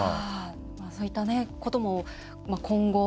そういったことも今後。